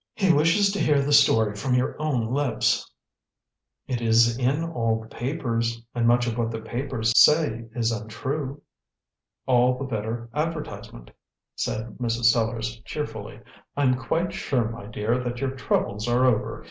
"He wishes to hear the story from your own lips." "It is in all the papers; and much of what the papers say is untrue." "All the better advertisement," said Mrs. Sellars cheerfully. "I'm quite sure, my dear, that your troubles are over.